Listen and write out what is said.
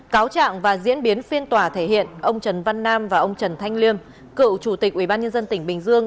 cáo trạng và diễn biến phiên tòa thể hiện ông trần văn nam và ông trần thanh liêm cựu chủ tịch ubnd tỉnh bình dương